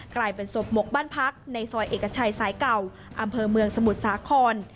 กลายเป็นศพหมกบ้านพักในซอยเอกชัยสายเก่าอำเภอเมืองสมุทรสาคร